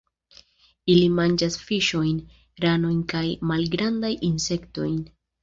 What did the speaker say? Ili manĝas fiŝojn, ranojn kaj malgrandajn insektojn.